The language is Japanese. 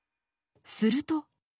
すると。